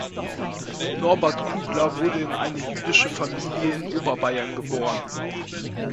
Norbert Kugler wurde in eine jüdische Familie in Oberbayern geboren.